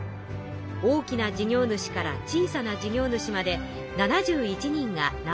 大きな事業主から小さな事業主まで７１人が名を連ねました。